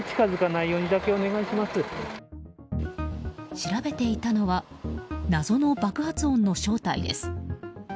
調べていたのは謎の爆発音の正体です。